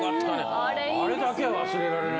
あれだけは忘れられないね。